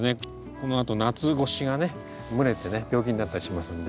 このあと夏越しがね蒸れてね病気になったりしますんで。